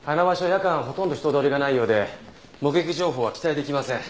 夜間はほとんど人通りがないようで目撃情報は期待できません。